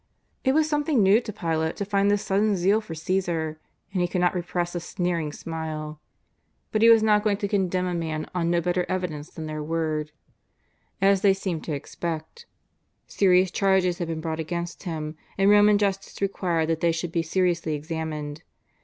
It was something new to Pilate to find this sudden zeal for Caesar, and he could not repress a sneering smile. But he was not going to condemn a man on no better evidence than their word, as they seemed to ex 348 JESUS OF NAZARETH. pect. Serious charges had been brought against Him, and Roman justice required that they should be seriously examined.